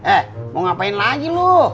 eh mau ngapain lagi loh